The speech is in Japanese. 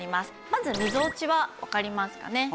まずみぞおちはわかりますかね？